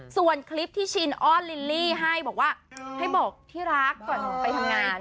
ส่วนคลิปที่ชินอ้อนลิลลี่ให้บอกว่าให้บอกที่รักก่อนไปทำงาน